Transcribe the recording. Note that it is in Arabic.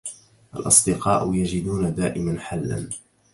الأصدقاء يجدون دائما حلاّ.